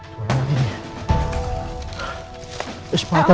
tunggu nanti deh